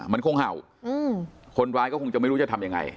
มันคงเห่าคนร้ายก็คงจะไม่รู้จะทำยังไง